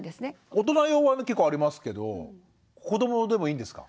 大人用は結構ありますけど子どもでもいいんですか？